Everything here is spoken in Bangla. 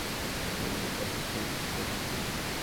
আর সেই দিনটি ছিল বসন্ত ঋতুর প্রথম দিন।